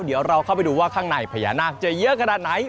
เดี๋ยวเราเข้าไปดูว่าข้างในพญานาคจะเยอะขนาดไหน